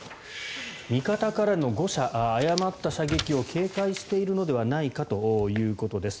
味方からの誤射、誤った射撃を警戒しているのではないかということです。